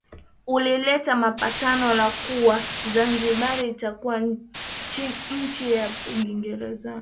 ulileta patano la kuwa Zanzibar itakuwa chini ya Uingereza